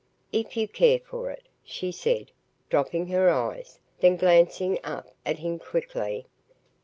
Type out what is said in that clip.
"If you care for it," she said, dropping her eyes, then glancing up at him quickly.